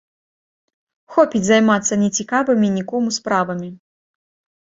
Хопіць займацца нецікавымі нікому справамі!